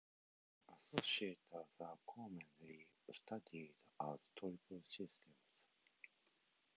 Associators are commonly studied as triple systems.